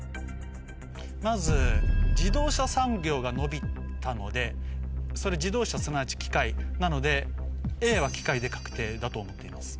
まず自動車産業が伸びたのでそれ自動車すなわち機械なのでＡは機械で確定だと思っています。